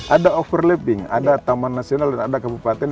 ada overlapping ada taman nasional dan ada kabupaten